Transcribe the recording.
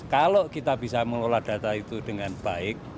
kalau kita bisa mengelola data itu dengan baik